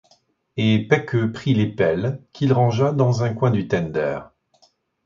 Et Pecqueux prit les pelles, qu'il rangea dans un coin du tender.